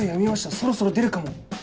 そろそろ出るかも。